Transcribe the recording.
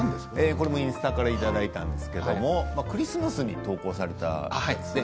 これもインスタからいただいたんですけどクリスマスに投稿されたものですね。